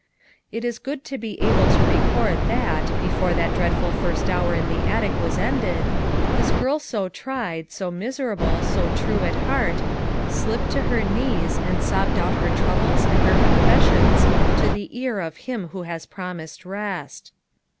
It is good to be able to record that, before that dreadful first hour in the attic was ended, this girl so tried, so miserable, so true at heart, slipped to her knees and sobbed out her troubles and her confessions to the ear of Him who has promised rest.